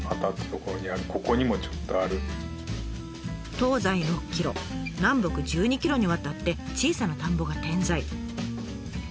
東西６ｋｍ南北１２ｋｍにわたって小さな田んぼが点在。